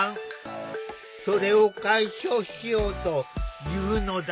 それを解消しようというのだ。